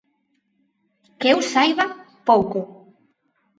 Que eu saiba, pouco.